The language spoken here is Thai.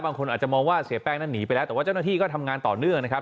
บางคนอาจจะมองว่าเสียแป้งนั้นหนีไปแล้วแต่ว่าเจ้าหน้าที่ก็ทำงานต่อเนื่องนะครับ